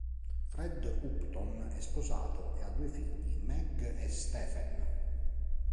Fred Upton è sposato e ha due figli, Meg e Stephen.